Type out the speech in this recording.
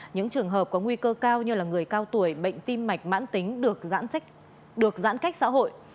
những trường hợp có nguy cơ cao như người cao tuổi bệnh tim mạch mãn tính được giãn cách xã hội